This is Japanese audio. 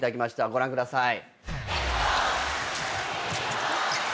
ご覧ください。